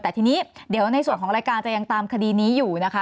แต่ทีนี้เดี๋ยวในส่วนของรายการจะยังตามคดีนี้อยู่นะคะ